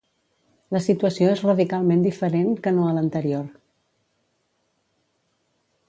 La situació és radicalment diferent que no a l’anterior.